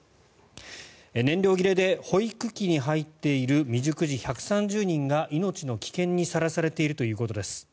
燃料切れで保育器に入っている未熟児１３０人が命の危険にさらされているということです。